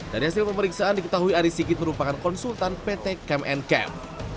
dari hasil pemeriksaan diketahui arisigit merupakan konsultan pt camp and camp